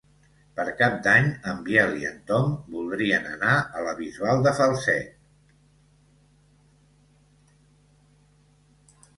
Per Cap d'Any en Biel i en Tom voldrien anar a la Bisbal de Falset.